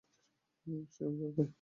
সে-ও ধার পায়?